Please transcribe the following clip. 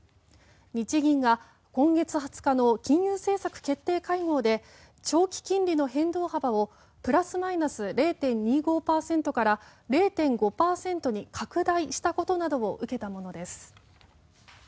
日銀が今月２０日の金融政策決定会合で長期金利の変動幅をプラスマイナス０．２５％から０．５％に拡大したことなどを受けたものです。